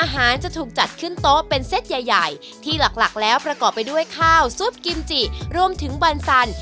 หลักแล้วประกอบไปด้วยข้าวซุปกิมจิรวมถึงบันซัน